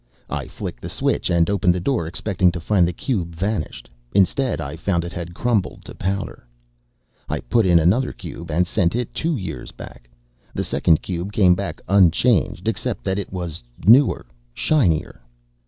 I flicked the switch and opened the door, expecting to find the cube vanished. Instead I found it had crumbled to powder. "I put in another cube and sent it two years back. The second cube came back unchanged, except that it was newer, shinier.